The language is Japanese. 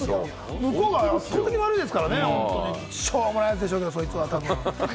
向こうが圧倒的に悪いですからね、しょうもないやつでしょうけれども、そいつは。